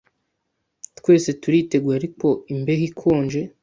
Twese turiteguye ariko imbeho ikonje.